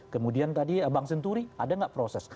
kemudian tadi bang senturi ada nggak proses